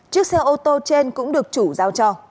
chiếc xe ô tô trên cũng được chủ giao cho